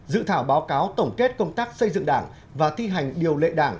dự thảo báo cáo tổng kết công tác xây dựng đảng và thi hành điều lệ đảng